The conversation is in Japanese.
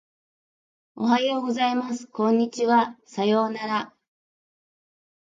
おはようございます。こんにちは。さようなら。